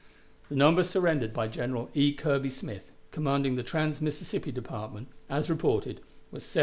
The number surrendered by General E. Kirby Smith, commanding the trans Mississippi Department, as reported, was 17,686.